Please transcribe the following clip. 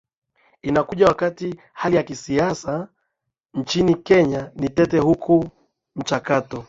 inakuja wakati hali ya kisiasa nchini kenya ni tete huku mchakato